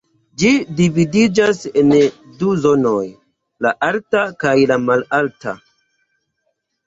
Ĝi dividiĝas en du zonoj: la alta kaj la malalta.